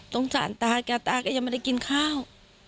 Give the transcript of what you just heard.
สงสารตาแกตาแกยังไม่ได้กินข้าว